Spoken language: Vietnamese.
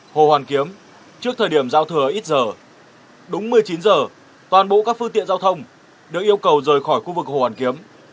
hồ hoàn kiếm trước thời điểm giao thừa ít giờ đúng một mươi chín h toàn bộ các phương tiện giao thông được yêu cầu rời khỏi khu vực hồ hoàn kiếm